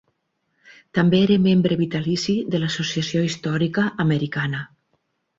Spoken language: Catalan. També era membre vitalici de l'Associació històrica americana.